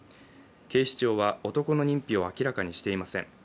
警視庁は男の認否を明らかにしていません。